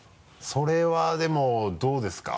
それはでもどうですか？